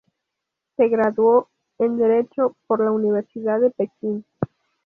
Se graduó en Derecho por la Universidad de Pekín.